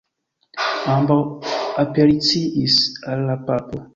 Ambaŭ apelaciis al la papo.